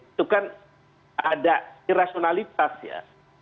itu kan ada irasionalitas ya